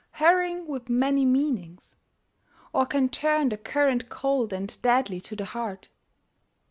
Hurrying with many meanings; or can turn The current cold and deadly to the heart.